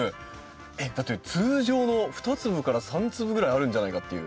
だって通常の２粒から３粒ぐらいあるんじゃないかっていう。